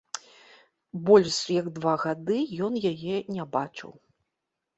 Больш як два гады ён яе не бачыў!